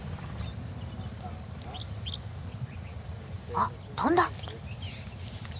あっ跳んだ！